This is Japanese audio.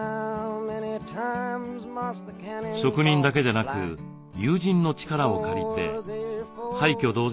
職人だけでなく友人の力を借りて廃虚同然の古い平屋を改修。